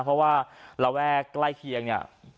เพราะว่าระแวกใกล้เคียงเนี่ย